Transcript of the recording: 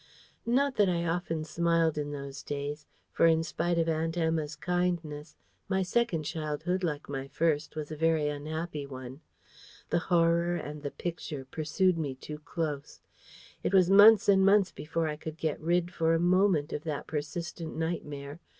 Not that I often smiled, in those days; for, in spite of Aunt Emma's kindness, my second girlhood, like my first, was a very unhappy one. The Horror and the Picture pursued me too close. It was months and months before I could get rid for a moment of that persistent nightmare.